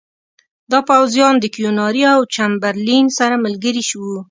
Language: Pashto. دا پوځیان د کیوناري او چمبرلین سره ملګري وو.